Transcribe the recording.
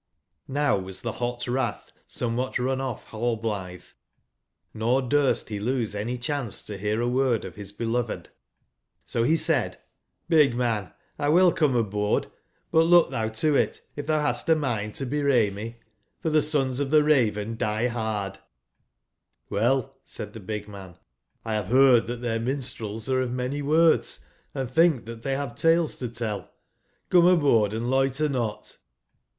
" \0m was tbe hot wrath somewhat run off Rallblithe, nor durst he lose any chance to hear a word of his beloved ; so he said :'' Big man, lwillcomeaboard. Butlooktbou toit, if thou hast a mind to bewray me; for the sons of the Ra ven die bard^'^'^OIell," said tbe big man, ''X have heard that their minstrels are of many words, and think tbat they have tales to tell. Come aboard and loiter not.''